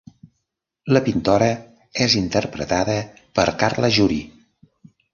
La pintora és interpretada per Carla Juri.